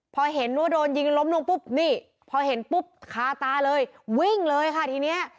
พอเห็นว่าโดนยิงล้มลงปุ๊บนี่พอเห็นปุ๊บคาตาเลยวิ่งเลยค่ะทีนี้